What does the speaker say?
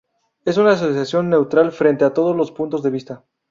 Es una Asociación neutral frente a todos los puntos de vista.